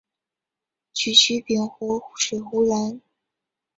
沮渠秉卢水胡人。